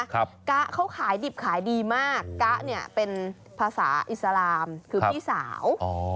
กะเขาขายดิบขายดีมากกะเนี่ยเป็นภาษาอิสลามคือพี่สาว